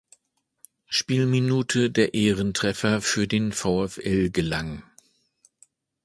Spielminute der Ehrentreffer für den VfL gelang.